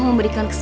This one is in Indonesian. om terima kasih